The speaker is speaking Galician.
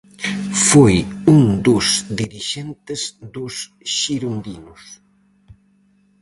Foi un dos dirixentes dos xirondinos.